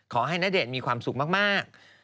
ณเดชน์มีความสุขมาก